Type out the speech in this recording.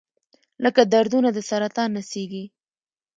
لکه دردونه د سرطان نڅیږي